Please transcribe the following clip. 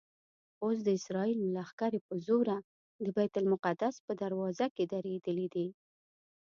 اوس د اسرائیلو لښکرې په زوره د بیت المقدس په دروازو کې درېدلي دي.